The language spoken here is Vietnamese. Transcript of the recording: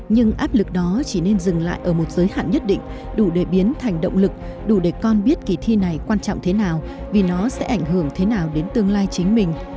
nhưng áp lực đó chỉ nên dừng lại ở một giới hạn nhất định đủ để biến thành động lực đủ để con biết kỳ thi này quan trọng thế nào vì nó sẽ ảnh hưởng thế nào đến tương lai chính mình